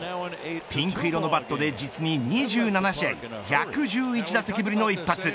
ピンク色のバットで実に２７試合１１１打席ぶりの一発。